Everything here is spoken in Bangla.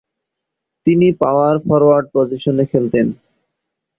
তিনি পাওয়ার ফরোয়ার্ড পজিশনে খেলতেন।